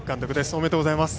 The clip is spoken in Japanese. おめでとうございます。